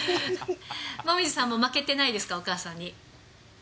椛さんも負けてないですか、お母さんに。